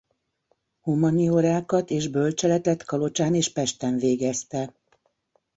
Humaniorákat és bölcseletet Kalocsán és Pesten végezte.